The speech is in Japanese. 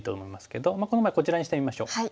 この場合こちらにしてみましょう。